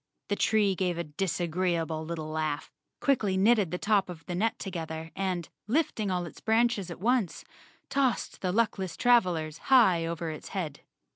The tree gave a disagreeable little laugh, quickly knitted the top of the net together and, lifting all its branches at once, tossed the luckless travelers high over its head.